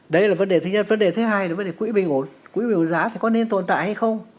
đấy là vấn đề thứ nhất vấn đề thứ hai là vấn đề quỹ bình ổn quỹ bình ổn giá có nên tồn tại hay không